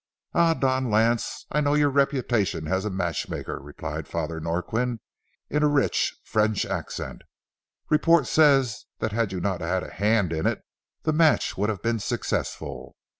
"Ah, Don Lance, I know your reputation as a matchmaker," replied Father Norquin, in a rich French accent. "Report says had you not had a hand in it the match would have been successful.